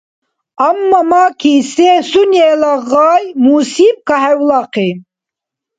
Аммаки сунела гъай мусиб кахӀевлахъи.